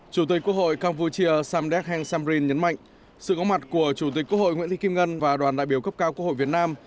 chủ tịch quốc hội campuchia samdek heng samrin nhấn mạnh sự có mặt của chủ tịch quốc hội nguyễn thị kim ngân và đoàn đại biểu cấp cao quốc hội việt nam